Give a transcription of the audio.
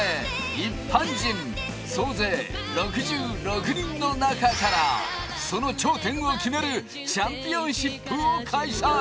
・一般人総勢６６人の中からその頂点を決めるチャンピオンシップを開催